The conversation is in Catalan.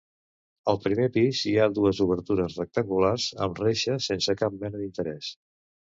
Al primer pis hi ha dues obertures rectangulars amb reixa sense cap mena d'interès.